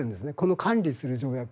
管理する条約。